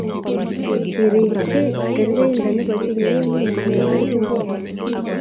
kirikchi kerkeindo nebo chukuye nino nebo loituge